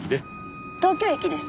東京駅です。